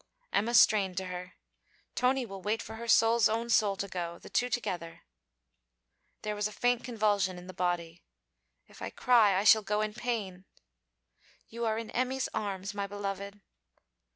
Emma strained to her. 'Tony will wait for her soul's own soul to go, the two together.' There was a faint convulsion in the body. 'If I cry, I shall go in pain.' 'You are in Emmy's arms, my beloved.'